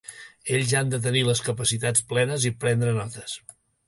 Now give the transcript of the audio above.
Ells han de tenir les capacitats plenes i prendre notes.